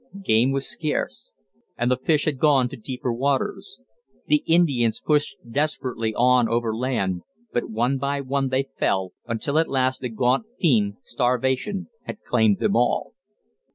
Game was scarce, and the fish had gone to deeper waters. The Indians pushed desperately on overland, but one by one they fell, until at last the gaunt fiend, Starvation, had claimed them all.